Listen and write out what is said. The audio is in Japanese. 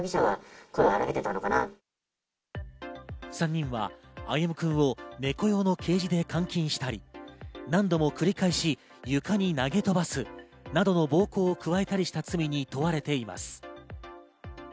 ３人は歩夢くんを猫用のケージで監禁したり、何度も繰り返し床に投げ飛ばすなどの暴行を加えたりした罪に問われています。